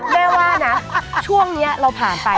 แม่ว่านะช่วงนี้เราผ่านไป